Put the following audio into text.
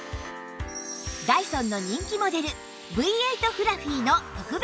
ダイソンの人気モデル Ｖ８ フラフィの特別セット